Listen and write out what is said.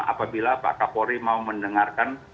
apabila pak kapolri mau mendengarkan